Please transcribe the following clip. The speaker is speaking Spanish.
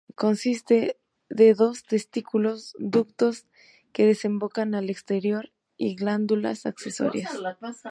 Consiste de dos testículos, ductos que desembocan al exterior y glándulas accesorias.